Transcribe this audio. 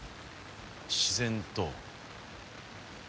自然と？